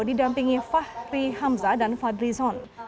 didampingi fahri hamzah dan fadrizon